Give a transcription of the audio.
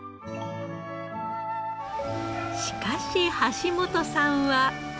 しかし橋本さんは。